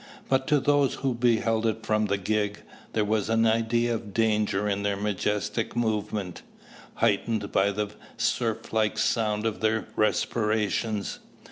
But to those who beheld it from the gig, there was an idea of danger in their majestic movement, heightened by the surf like sound of their respirations.